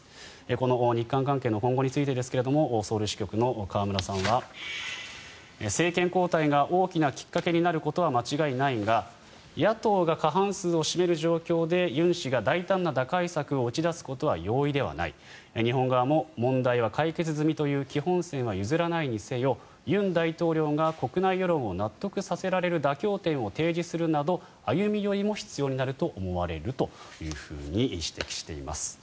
この日韓関係の今後についてですがソウル支局の河村さんは政権交代が大きなきっかけになることは間違いないが野党が過半数を占める状況で尹氏が大胆な打開策を打ち出すことは容易ではない日本側も問題は解決済みという基本姿勢は譲らないにせよ尹大統領が国内世論を納得させられる妥協点を提示するなど歩み寄りも必要になると思われると指摘しています。